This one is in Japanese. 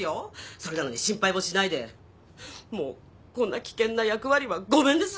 それなのに心配もしないでもうこんな危険な役割はごめんです